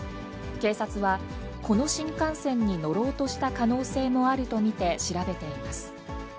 警察は、この新幹線に乗ろうとした可能性もあると見て調べています。